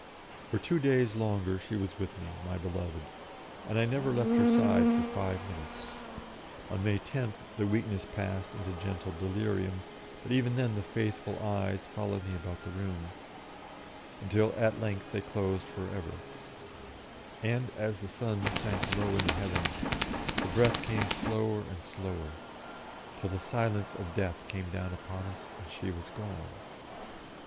For two days longer she was with me, my beloved, and I never left her side for five minutes. On May 10th the weakness passed into gentle delirium, but even then the faithful eyes followed me about the room, until at length they closed for ever, and as the sun sank low in the heavens, the breath came slower and slower, till the silence of Death came down upon us and she was gone.